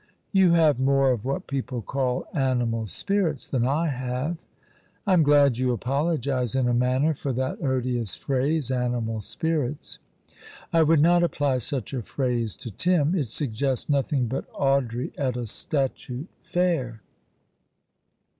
" You have more of what people call animal spirits than I have." "I'm glad you apologize in a manner for that odious phrase — animal spirits. I would not apply such a phrase to Tim. It suggests nothing but Audrey at a statute fair.